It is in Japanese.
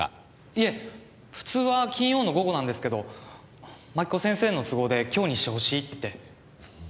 いえ普通は金曜の午後なんですけど槙子先生の都合で今日にしてほしいって。